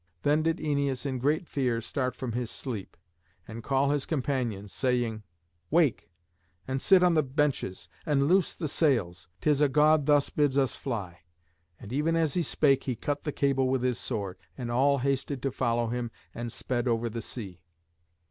Then did Æneas in great fear start from his sleep, and call his companions, saying, "Wake, and sit on the benches, and loose the sails. 'Tis a god thus bids us fly." And even as he spake he cut the cable with his sword. And all hasted to follow him, and sped over the sea.